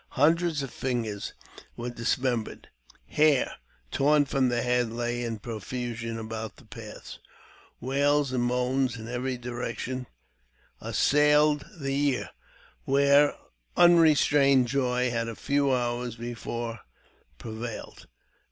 Hun dreds of fingers were dismembered ; hair, torn from the head, lay in profusion about the paths ; wails and moans in every j direction assailed the ear, where unrestrained joy had a few hours before prevailed.